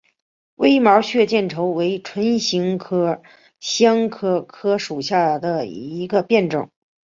微毛血见愁为唇形科香科科属下的一个变种。